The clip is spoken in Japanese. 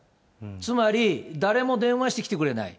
つまり誰も電話してきてくれない。